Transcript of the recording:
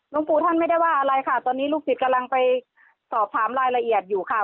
ปู่ท่านไม่ได้ว่าอะไรค่ะตอนนี้ลูกศิษย์กำลังไปสอบถามรายละเอียดอยู่ค่ะ